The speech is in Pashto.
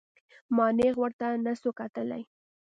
ما نېغ ورته نسو کتلى.